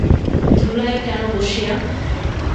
ধুলায় কেন বসিয়া?